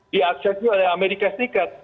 diaksesi oleh amerika serikat